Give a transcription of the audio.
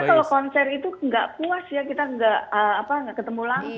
karena kalau konser itu gak puas ya kita gak ketemu langsung